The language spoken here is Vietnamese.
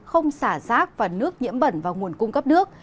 không xả rác và nước nhiễm bẩn vào nguồn cung cấp nước